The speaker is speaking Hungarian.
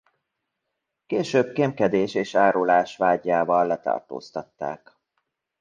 Később kémkedés és árulás vádjával letartóztatták.